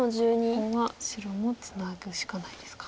ここは白もツナぐしかないですか。